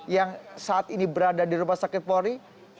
yang saat ini berada di rumah sakit polri